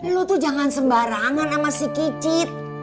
lu tuh jangan sembarangan sama si kicit